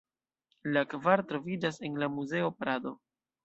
La kvar troviĝas en la Muzeo Prado.